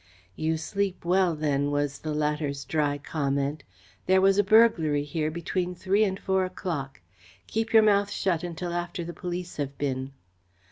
"You sleep well then," was the latter's dry comment. "There was a burglary here between three and four o'clock. Keep your mouth shut until after the police have been."